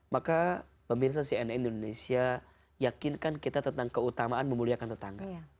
maka pemirsa cnn indonesia yakinkan kita tentang keutamaan memuliakan tetangga